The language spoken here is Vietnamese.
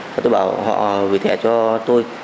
tôi bảo họ gửi thẻ cho tôi